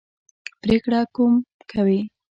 پرېکړه کوم کوي.